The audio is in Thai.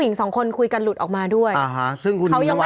หลากหลายรอดอย่างเดียว